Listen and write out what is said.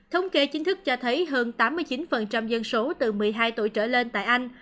thống kê chính thức cho thấy hơn tám mươi chín dân số từ một mươi hai tuổi trở lên tại anh